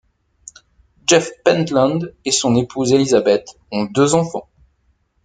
Jeff Pentland et son épouse Elizabeth ont deux enfants.